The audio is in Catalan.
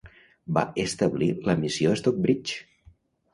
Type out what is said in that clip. Va establir la missió Stockbridge.